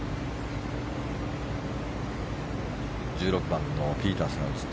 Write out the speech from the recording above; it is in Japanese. １６番のピータース。